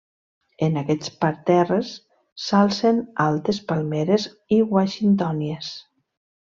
En aquests parterres s'alcen altes palmeres i washingtònies.